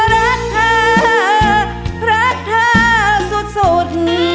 รักเธอรักเธอสุด